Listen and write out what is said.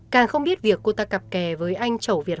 càng không biết việc cô ta cặp kè với anh chậu việt